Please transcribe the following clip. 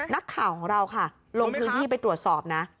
นักข่าวของเราค่ะลงพื้นที่ไปตรวจสอบนะ